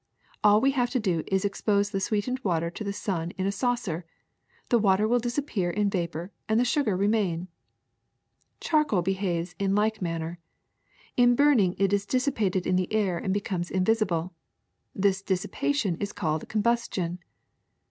All we have to do is to expose the sweetened water to the sun in a saucer; the water will disappear in vapor and the sugar remain. ''Charcoal behaves in like manner. In burning it is dissipated in the air and becomes invisible. This dissipation is called combustion.